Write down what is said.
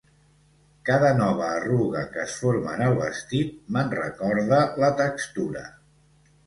Cada nova arruga que es forma en el vestit me'n recorda la textura.